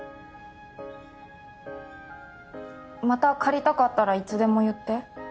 また借りたかったらいつでも言って。